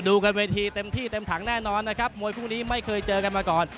กันเวทีเต็มที่เต็มถังแน่นอนนะครับมวยคู่นี้ไม่เคยเจอกันมาก่อน